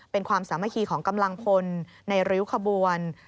เป็นความสามัคคีของกำลังพลในริ้วขบวน